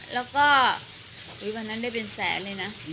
แล้วก็วันนั้นได้เป็นแสนเลยนะ